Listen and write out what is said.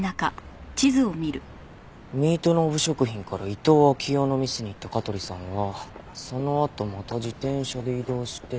ミートノーブ食品から伊東暁代の店に行った香取さんはそのあとまた自転車で移動して。